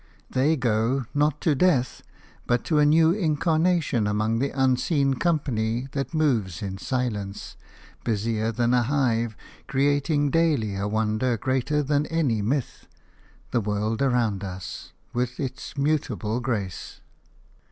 They go, not to death, but to a new incarnation among the unseen company that moves in silence, busier than a hive, creating daily a wonder greater than any myth – the world around us, with its mutable grace.